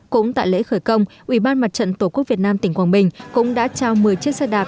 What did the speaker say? cũng tại lễ khởi công ubnd tqvn tỉnh quảng bình cũng đã trao một mươi chiếc xe đạp